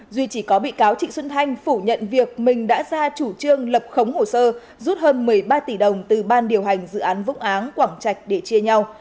duy chỉ có bị cáo trịnh xuân thanh phủ nhận việc mình đã ra chủ trương lập khống hồ sơ rút hơn một mươi ba tỷ đồng từ ban điều hành dự án vũng áng quảng trạch để chia nhau